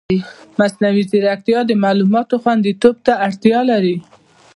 مصنوعي ځیرکتیا د معلوماتو خوندیتوب ته اړتیا لري.